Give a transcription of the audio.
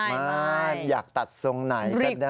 มากอยากตัดทรงไหนก็ได้